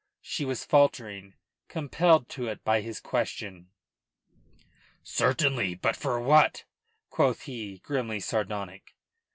she was faltering, compelled to it by his question. "Certainly. But for what?" quoth he, grimly sardonic.